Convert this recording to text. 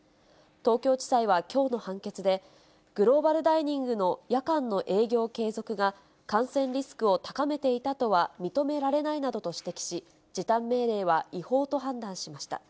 東京地裁はきょうの判決で、グローバルダイニングの夜間の営業継続が、感染リスクを高めていたとは認められないなどと指摘し、時短命令は違法と判断しました。